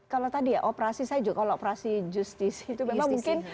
kalau tadi ya operasi saya juga kalau operasi justisi itu memang mungkin